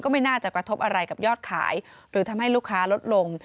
ไม่น่าจะกระทบอะไรกับยอดขายหรือทำให้ลูกค้าลดลง